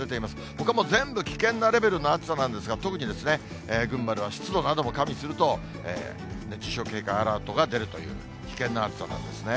ほかも全部危険なレベルの暑さなんですが、特に、群馬では湿度なども加味すると、熱中症警戒アラートが出るという、危険な暑さなんですね。